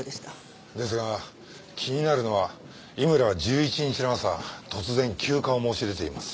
ですが気になるのは井村は１１日の朝突然休暇を申し出ています。